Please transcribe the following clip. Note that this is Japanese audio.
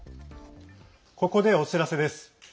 ここでお知らせです。